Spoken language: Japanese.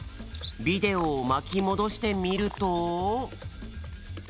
ビデオをまきもどしてみると。